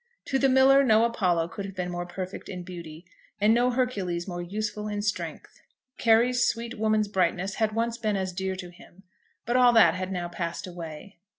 To the miller no Apollo could have been more perfect in beauty, and no Hercules more useful in strength. Carry's sweet woman's brightness had once been as dear to him, but all that had now passed away.